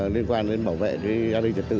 liên quan đến bảo vệ gia đình trật tự